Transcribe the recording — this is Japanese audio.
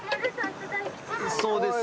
そうです。